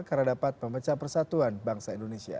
karena dapat memecah persatuan bangsa indonesia